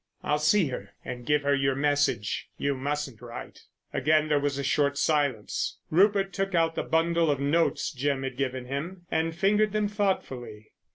"I'll see her and give her your message. You mustn't write." Again there was a short silence. Rupert took out the bundle of notes Jim had given him and fingered them thoughtfully.